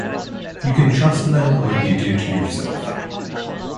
You can trust them like you do to yourself.